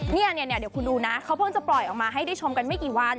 เนี่ยเดี๋ยวคุณดูนะเขาเพิ่งจะปล่อยออกมาให้ได้ชมกันไม่กี่วัน